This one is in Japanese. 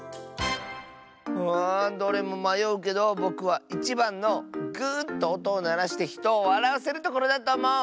あどれもまようけどぼくは１ばんの「ぐとおとをならしてひとをわらわせるところ」だとおもう！